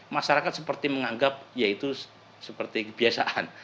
masyarakat seperti menganggap ya itu seperti kebiasaan